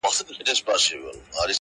• تا هم لوښی د روغن دی چپه کړی؟,